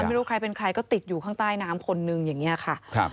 ไม่รู้ใครเป็นใครก็ติดอยู่ข้างใต้น้ำคนนึงอย่างนี้ค่ะ